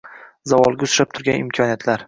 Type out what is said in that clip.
Zavolga uchrab turgan imkoniyatlar